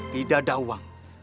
tidak ada uang